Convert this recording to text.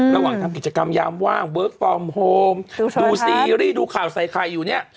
ระหว่างทำกิจกรรมยามว่างเวิร์คฟอร์มโฮมดูซีรีส์ดูข่าวใส่ไข่อยู่เนี่ย